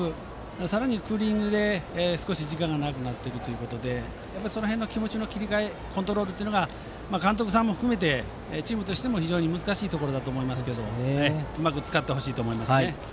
さらにクーリングで少し時間が長くなるということでその辺の気持ちの切り替えコントロールが監督さんも含めてチームとしても難しいところだと思いますがうまく使ってほしいと思います。